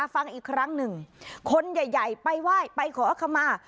ฟังอีกครั้งหนึ่งคนใหญ่ไปไหว้ไปขอคำมา